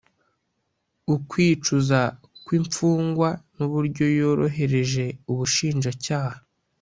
ukwicuza kw’imfungwa n’uburyo yorohereje ubushinjacyaha